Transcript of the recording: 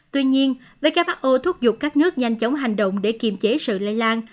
tuy nhiên who thúc giục các nước nhanh chóng hành động để kiềm chế sự lây lan